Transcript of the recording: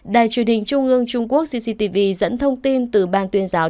đài truyền hình trung ương trung quốc cctv dẫn thông tin từ ban tuyên giáo